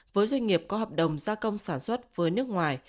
với doanh nghiệp có hợp đồng gia công sản xuất với nước ngoài